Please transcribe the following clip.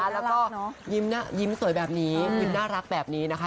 แล้วก็ยิ้มสวยแบบนี้ยิ้มน่ารักแบบนี้นะคะ